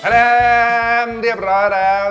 แรมเรียบร้อยแล้ว